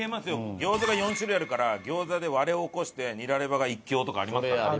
餃子が４種類あるから餃子で割れを起こしてニラレバが一強とかありますからね。